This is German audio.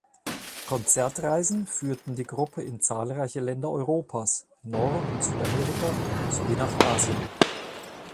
Konzertreisen führten die Gruppe in zahlreiche Länder Europas, Nord- und Südamerika sowie nach Asien.